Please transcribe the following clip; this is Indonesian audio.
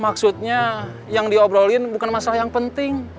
maksudnya yang diobrolin bukan masalah yang penting